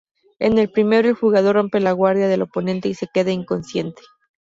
En el primero, el jugador rompe la guardia del oponente y se queda inconsciente.